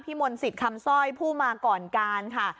พี่มนต์ศิษย์คำซ่อยผู้มาก่อนการค่ะ